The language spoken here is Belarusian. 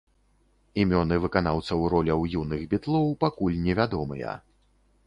Імёны выканаўцаў роляў юных бітлоў пакуль невядомыя.